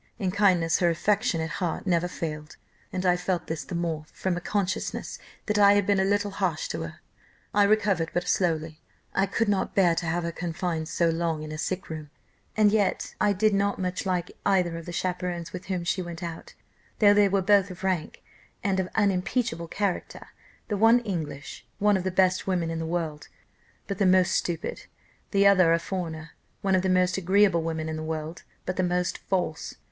In kindness her affectionate heart never failed, and I felt this the more, from a consciousness that I had been a little harsh to her. I recovered but slowly; I could not bear to have her confined so long in a sick room, and yet I did not much like either of the chaperons with whom she went out, though they were both of rank, and of unimpeachable character the one English, one of the best women in the world, but the most stupid; the other a foreigner, one of the most agreeable women in the world, but the most false.